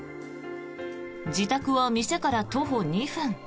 自宅は店から徒歩２分。